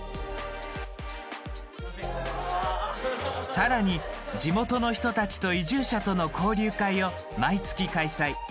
さらに地元の人たちと移住者との交流会を毎月開催。